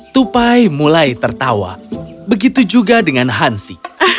tupai mulai tertawa begitu juga dengan hansi